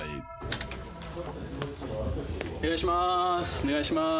お願いします